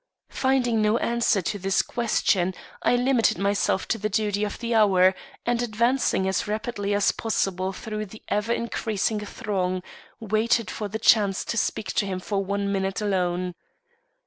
Finding no answer to this question, I limited myself to the duty of the hour, and advancing as rapidly as possible through the ever increasing throng, waited for the chance to speak to him for one minute alone.